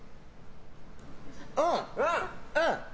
うん、うん。